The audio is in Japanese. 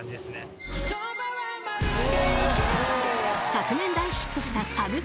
［昨年大ヒットした］